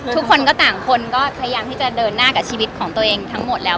ทุกคนก็ต่างคนก็พยายามที่จะเดินหน้ากับชีวิตของตัวเองทั้งหมดแล้ว